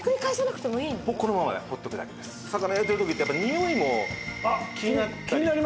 魚焼いてる時ってやっぱニオイも気になったり。